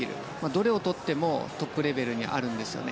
どれをとってもトップレベルにあるんですよね。